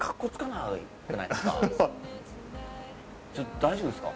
大丈夫ですか？